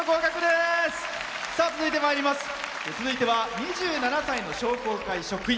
続いては２７歳の商工会職員。